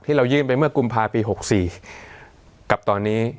เรายื่นไปเมื่อกุมภาปี๖๔กับตอนนี้